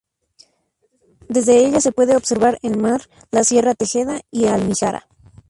Desde ella se puede observar el Mar, la Sierra Tejeda y Almijara.